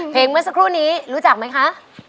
เพลงเมื่อสักครู่นี้รู้จักมั้ยคะ